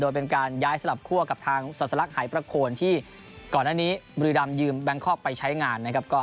โดยเป็นการย้ายสลับคั่วกับทางศาสลักหายประโคนที่ก่อนหน้านี้บุรีรำยืมแบงคอกไปใช้งานนะครับ